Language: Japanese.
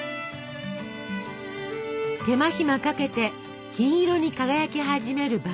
手間暇かけて金色に輝き始める麦芽あめ。